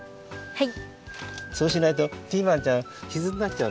はい。